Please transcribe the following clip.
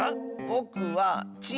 ぼくは「ち」！